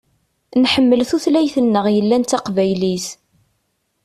Nḥemmel tutlayt-nneɣ yellan d taqbaylit.